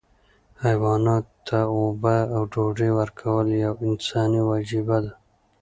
حیواناتو ته اوبه او ډوډۍ ورکول یوه انساني وجیبه ده.